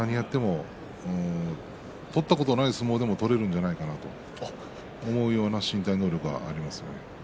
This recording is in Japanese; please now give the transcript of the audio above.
取ったことない相撲でも取れるんじゃないかなと思うような身体能力がありますね。